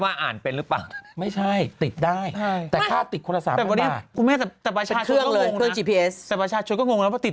เวลาแม่ขับแล้วแม่ไปหลงที่